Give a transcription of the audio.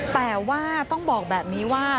แต่ว่าต้องบอกแบบนี้ว่า